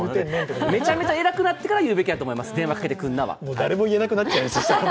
めちゃめちゃ偉くなってから言うべきだと思います、電話かけてくんな、は。